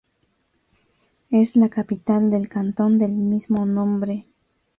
Es la capital del cantón del mismo nombre.